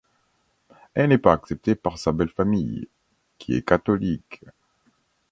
Elle n'est pas acceptée par sa belle famille, qui est catholique.